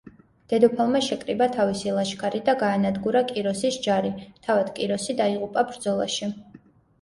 დედოფალმა შეკრიბა თავისი ლაშქარი და გაანადგურა კიროსის ჯარი, თავად კიროსი დაიღუპა ბრძოლაში.